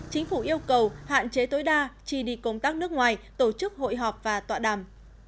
chính phủ yêu cầu hạn chế tối đa chi đi công tác nước ngoài tổ chức hội họp và tọa đàm